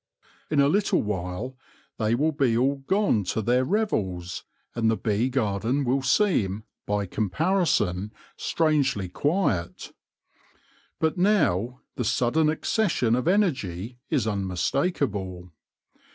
In a little while they will be all gone to their revels, and the bee garden will seem, by comparison, strangely quiet. But now the sudden accession of energy is unmistakable.